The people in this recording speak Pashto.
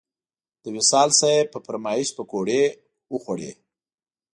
د وصال صیب په فرمایش پکوړې وخوړې.